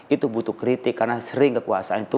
itu butuh kritik karena sering kekuasaan itu